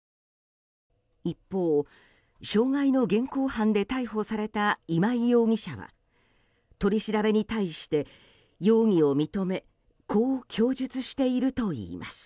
一方、傷害の現行犯で逮捕された今井容疑者は取り調べに対して、容疑を認めこう供述しているといいます。